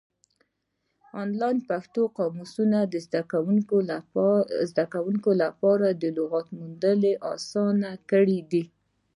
آنلاین پښتو قاموسونه د زده کوونکو لپاره د لغاتو موندل اسانه کړي دي.